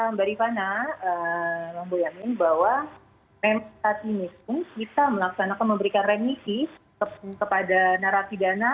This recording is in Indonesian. mbak rifana bang boyamin bahwa remisi saat ini kita melaksanakan memberikan remisi kepada narapidana